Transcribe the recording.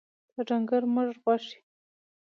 د ډنګر مږ غوښي